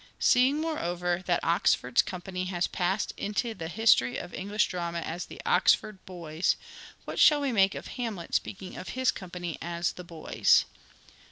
Seeing, moreover, that Oxford's company has passed into the history of English drama as the " Oxford Boys," what shall we make of Hamlet speak ing of his company as " the boys